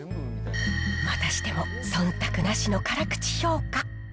またしてもそんたくなしの辛口評価。